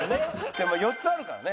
でも４つあるからね。